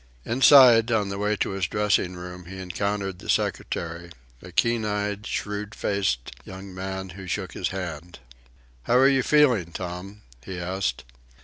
Inside, on the way to his dressing room, he encountered the secretary, a keen eyed, shrewd faced young man, who shook his hand. "How are you feelin', Tom?" he asked.